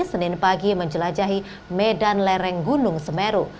senin pagi menjelajahi medan lereng gunung semeru